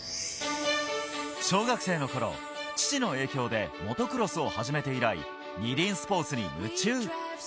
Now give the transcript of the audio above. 小学生の頃、父の影響でモトクロスを始めて以来、２輪スポーツに夢中。